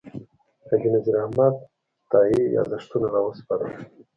حاجي نذیر احمد تائي یاداښتونه راوسپارل.